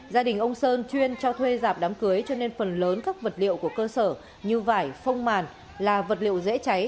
dân chuyên cho thuê giảm đám cưới cho nên phần lớn các vật liệu của cơ sở như vải phông màn là vật liệu dễ cháy